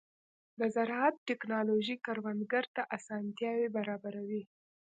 د زراعت ټیکنالوژي کروندګرو ته اسانتیاوې برابروي.